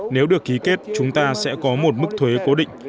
nếu được ký kết chúng ta sẽ có một mức thuế cố định